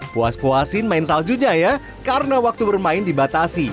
puas puasin main saljunya ya karena waktu bermain dibatasi